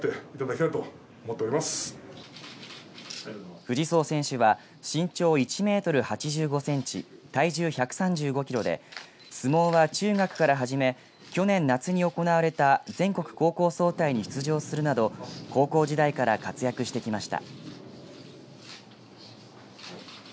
藤宗選手は身長１メートル８５センチ体重１３５キロで相撲は中学から始め去年夏に行われた全国高校総体に出場するなど高校時代から活躍してきました。